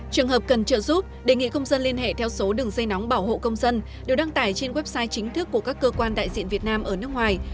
trường hợp cần trợ giúp đề nghị công dân liên hệ theo số đường dây nóng bảo hộ công dân đều đăng tải trên website chính thức của các cơ quan đại diện việt nam ở nước ngoài